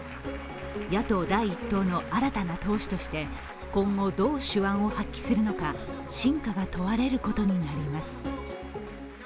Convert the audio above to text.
野党第一党の新たな党首として、今後どう手腕を発揮するのか真価が問われることになります。